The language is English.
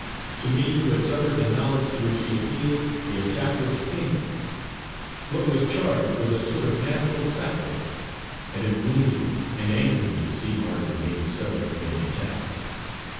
To me, who had suffered the knowledge to which she appealed, the attack was painful. What was charged was a sort of natural sacrilege; and it wounded me and angered me to see Marjory made the subject of any attack.